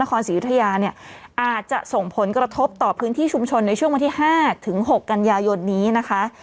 ศรียุธยาเนี่ยอาจจะส่งผลกระทบต่อพื้นที่ชุมชนในช่วงวันที่๕ถึง๖กันยายนนี้นะคะ